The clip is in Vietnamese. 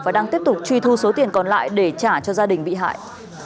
và đang tiếp tục truy thu số tiền còn lại để trả cho gia đình bị hại